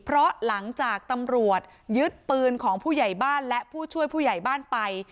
เพราะหลังจากตำรวจยึดปืนของผู้ใหญ่บ้านและผู้ช่วยผู้ใหญ่บ้านไป